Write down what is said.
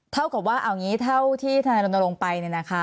เท่ากับว่าเอานี้เท่าที่ธนาโลกลงไปนะคะ